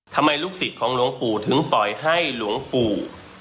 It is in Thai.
ลูกศิษย์ของหลวงปู่ถึงปล่อยให้หลวงปู่